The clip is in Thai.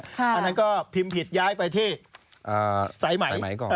อันนั้นก็พิมพ์ผิดย้ายไปที่สายใหม่